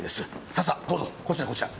ささっどうぞこちらこちら。